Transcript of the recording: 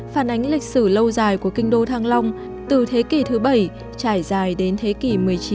phản ánh lịch sử lâu dài của kinh đô thăng long từ thế kỷ thứ bảy trải dài đến thế kỷ một mươi chín